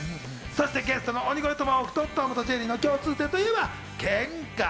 そしてゲストの鬼越トマホークと『トムとジェリー』の共通点といえばケンカ。